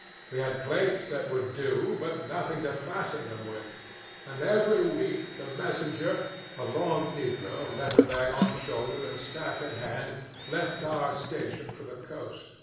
We had plates that would do, but nothing to fasten them with. And every week the messenger, a lone negro, letter bag on shoulder and staff in hand, left our station for the coast.